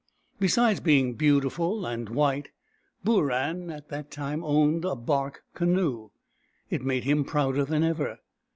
Besides being beautiful and white, Booran at that time owned a bark canoe. It made him prouder than ever.